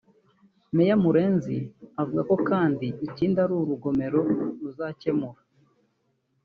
Meya Murenzi avuga kandi ko ikindi uru rugomero ruzakemura